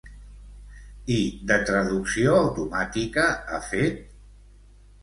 I de traducció automàtica ha fet?